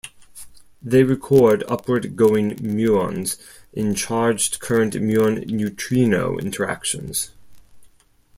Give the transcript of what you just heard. They record upward going muons in charged current muon neutrino interactions.